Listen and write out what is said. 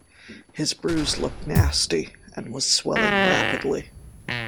His bruise looked nasty, and was swelling rapidly.